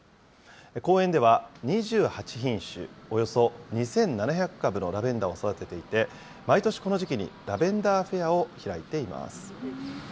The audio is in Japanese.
公園では、２８品種およそ２７００株のラベンダーを育てていて、毎年この時期にラベンダーフェアを開いています。